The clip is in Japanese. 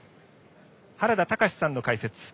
原田隆司さんの解説。